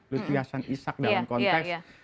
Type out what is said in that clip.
lutiasan ishak dalam konteks